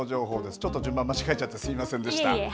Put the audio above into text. ちょっと順番間違えちゃって、すみませんでした。